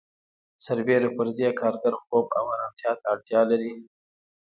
سربېره پر دې کارګر خوب او آرامتیا ته اړتیا لري